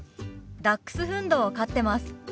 ダックスフンドを飼ってます。